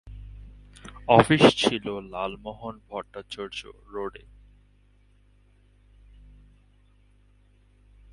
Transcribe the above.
Office ছিল লালমোহন ভট্টাচার্য রোডে।